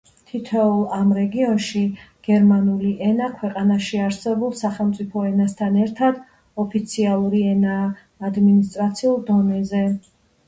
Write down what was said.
თითოეულ ამ რეგიონში, გერმანული ენა, ქვეყანაში არსებულ სახელმწიფო ენასთან ერთად, ოფიციალური ენაა ადმინისტრაციულ დონეზე.